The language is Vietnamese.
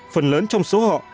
phần lớn trong số họ